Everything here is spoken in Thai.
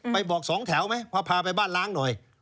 ไปบอกสองแถวไหมพอพาไปบ้านล้างหน่อย